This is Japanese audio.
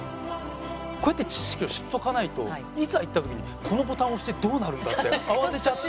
こうやって知識を知っとかないといざ行った時にこのボタンを押してどうなるんだ？って慌てちゃってね。